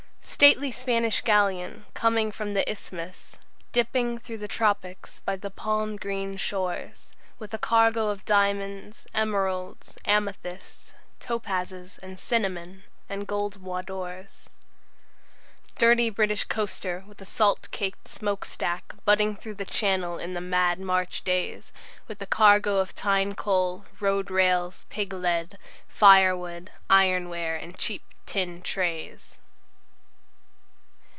Stately Spanish galleon coming from the Isthmus, Dipping through the Tropics by the palm green shores, With a cargo of diamonds, Emeralds, amethysts, Topazes, and cinnamon, and gold moidores. Dirty British coaster with a salt caked smoke stack, Butting through the Channel in the mad March days, With a cargo of Tyne coal, Road rails, pig lead, Firewood, iron ware, and cheap tin trays.